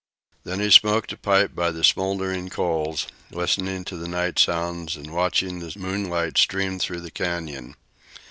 Then he smoked a pipe by the smouldering coals, listening to the night noises and watching the moonlight stream through the canyon.